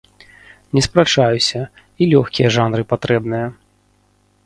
Не спрачаюся, і лёгкія жанры патрэбныя.